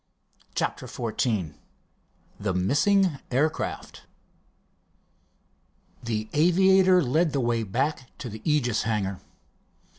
CHAPTER XIV THE MISSING AIRCRAFT The aviator led the way back to the Aegis hangar.